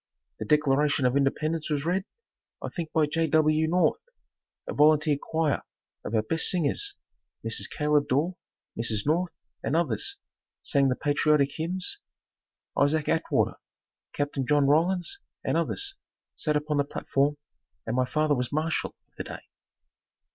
The Declaration of Independence was read, I think by J. W. North, a volunteer choir of our best singers Mrs. Caleb Dorr, Mrs. North and others sang the patriotic hymns, Isaac Atwater, Capt. John Rollins and others sat upon the platform and my father was marshall of the day.